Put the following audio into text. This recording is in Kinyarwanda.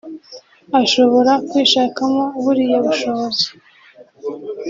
ashobora kwishakamo buriya bushobozi